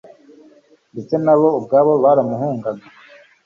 Ndetse nabo ubwabo baramuhungaga